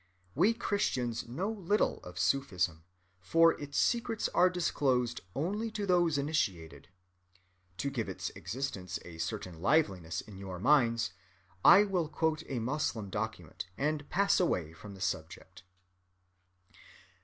We Christians know little of Sufism, for its secrets are disclosed only to those initiated. To give its existence a certain liveliness in your minds, I will quote a Moslem document, and pass away from the subject.